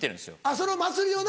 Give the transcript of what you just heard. その祭りをな。